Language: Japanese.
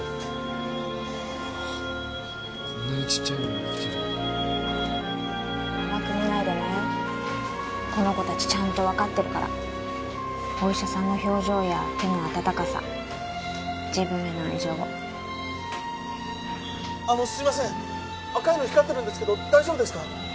こんなにちっちゃいのに生きてる甘く見ないでねこの子たちちゃんと分かってるからお医者さんの表情や手の温かさ自分への愛情を・赤いの光ってますが大丈夫ですか？